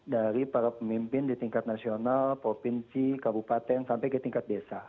dari para pemimpin di tingkat nasional provinsi kabupaten sampai ke tingkat desa